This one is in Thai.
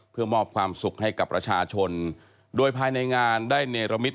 เพื่อมอบความสุขให้กับประชาชนโดยภายในงานได้เนรมิต